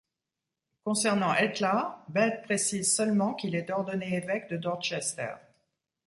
Concernant Ætla, Bède précise seulement qu'il est ordonné évêque de Dorchester.